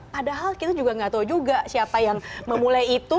padahal kita juga nggak tahu juga siapa yang memulai itu